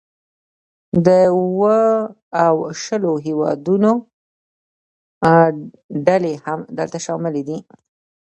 د اوو او شلو هیوادونو ډلې هم دلته شاملې دي